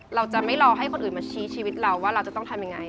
เราจะไม่รอให้คนอื่นมาชี้ชีวิตเราว่าเราจะต้องทำยังไง